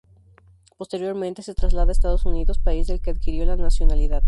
Posteriormente se traslada a Estados Unidos, país del que adquirió la nacionalidad.